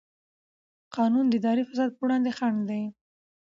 قانون د اداري فساد پر وړاندې خنډ دی.